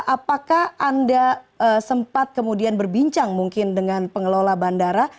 apakah anda sempat kemudian berbincang mungkin dengan pengelola bandara